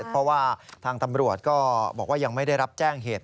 เพราะว่าทางตำรวจก็บอกว่ายังไม่ได้รับแจ้งเหตุ